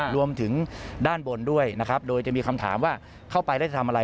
รวมถึงด้านบนด้วยนะครับโดยจะมีคำถามว่าเข้าไปแล้วจะทำอะไร